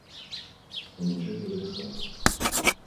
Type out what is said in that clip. Помечать адреса